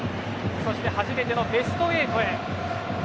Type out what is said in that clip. そして初めてのベスト８へ。